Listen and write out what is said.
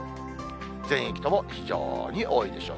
全域とも非常に多いでしょう。